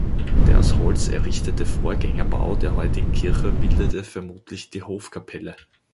Der aus Holz errichtete Vorgängerbau der heutigen Kirche bildete vermutlich die Hofkapelle.